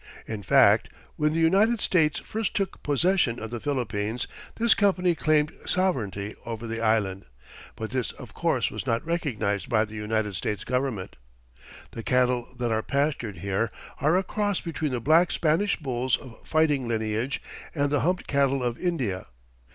In fact, when the United States first took possession of the Philippines, this company claimed sovereignty over the island, but this, of course, was not recognized by the United States Government. The cattle that are pastured here are a cross between the black Spanish bulls of fighting lineage and the humped cattle of India.